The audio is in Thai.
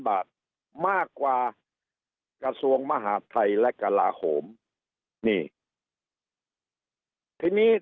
บาทมากกว่ากระทรวงมหาดไทยและกลาโหมนี่ทีนี้